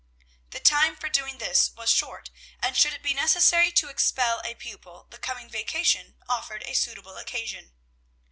The time for doing this was short; and should it be necessary to expel a pupil, the coming vacation offered a suitable occasion.